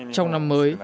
trong năm mới